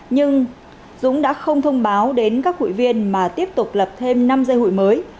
nhưng dũng đã không thông báo đến các hội viên mà tiếp tục lập thêm năm dây hụi mới